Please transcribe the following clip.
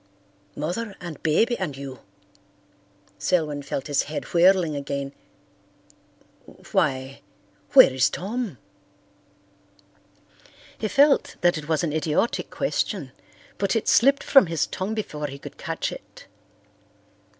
"Mother and Baby and you!" Selwyn felt his head whirling again. "Why, where is Tom?" He felt that it was an idiotic question, but it slipped from his tongue before he could catch it.